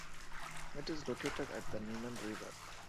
It is located at the Neman River.